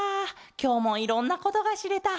きょうもいろんなことがしれた。